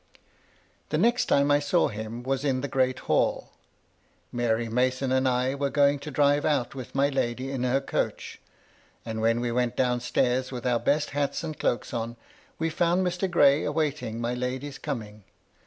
The next time I saw him was in the great hall. Mary Mason and I were going to drive out with my lady in her coach, and when we went down stairs with our best hats and cloaks on, we found Mr. Gray awaiting my lady's coming.